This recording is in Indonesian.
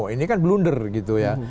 ini kan blunder gitu ya